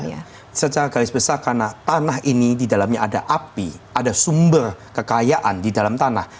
ya secara garis besar karena tanah ini di dalamnya ada api ada sumber kekayaan di dalam tanah